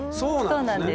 そうなんです。